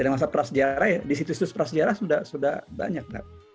ada masa prasejarah ya di situs situs prasejarah sudah banyak